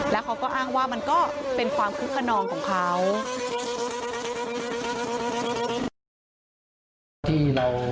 แล้วเขาก็อ้างว่ามันก็เป็นความคึกขนองของเขา